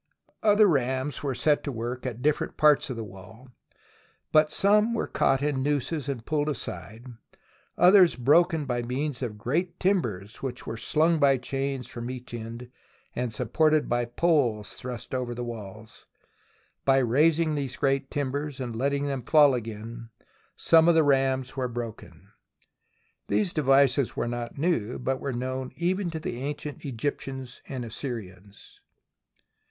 Other rams were set to work at different parts of the wall, but some were caught in nooses and pulled aside, others broken by means of great tim bers, which were slung by chains from each end and supported by poles thrust over the walls. By raising these great timbers and letting them fall again, some of the rams were broken. These devices were not new, but were known even to the ancient Egyptians and Assyrians.